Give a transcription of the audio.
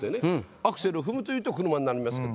「アクセルを踏む」というと車になりますけど。